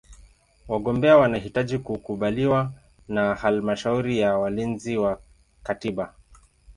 Wagombea wanahitaji kukubaliwa na Halmashauri ya Walinzi wa Katiba.